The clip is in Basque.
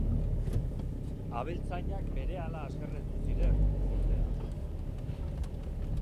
Abeltzainak berehala haserretu ziren, ordea.